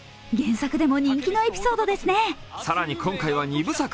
原作でも人気のエピソードですね。